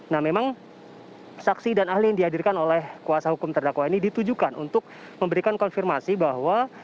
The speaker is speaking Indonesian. nah memang saksi dan ahli yang dihadirkan oleh kuasa hukum terdakwa ini ditujukan untuk memberikan konfirmasi bahwa